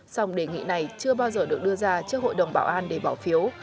song đề nghị này chưa bao giờ được đưa ra trước hội đồng bảo an để bỏ phiếu